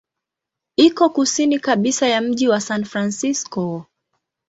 Iko kusini kabisa ya mji wa San Francisco.